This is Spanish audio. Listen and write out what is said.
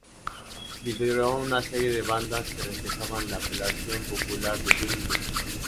Lideró una serie de bandas que reflejaban la apelación popular de jump blues.